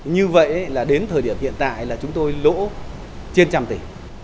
như vậy là đến thời điểm hiện tại là chúng tôi lỗ trên trăm tỷ